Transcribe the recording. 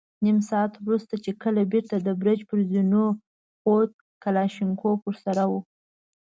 نيم ساعت وروسته چې کله بېرته د برج پر زينو خوت، کلاشينکوف ور سره و.